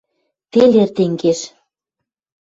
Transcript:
Тел эртен кеш.